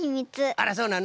あらそうなの？